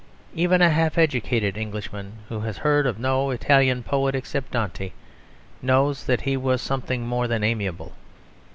Even a half educated Englishman, who has heard of no Italian poet except Dante, knows that he was something more than amiable.